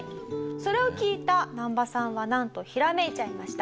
それを聞いたナンバさんはなんとひらめいちゃいました。